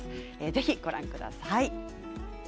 ぜひ、ご覧ください。